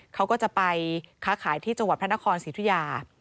เขาก็จะไปค้าขายที่จังหวัดพระนครศิริยา